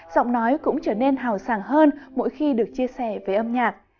giọng nói cũng trở nên hào sàng hơn mỗi khi được chia sẻ về âm nhạc